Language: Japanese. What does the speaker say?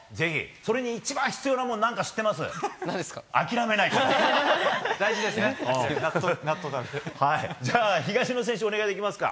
それに一番必要なもの知ってますか？